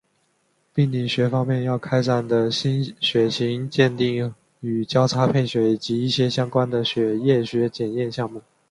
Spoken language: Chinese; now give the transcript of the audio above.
病理学方面要开展的血型鉴定与交叉配血以及一些相关的血液学检验项目。